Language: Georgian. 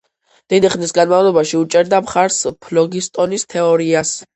დიდი ხნის განმავლობაში უჭერდა მხარს ფლოგისტონის თეორიას.